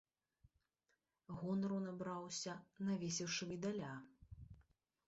Гонару набраўся, навесіўшы медаля.